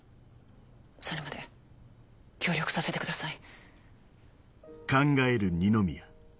それまで協力させてください。